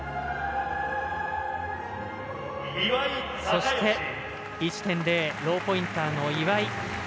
そして、１．０ローポインターの岩井。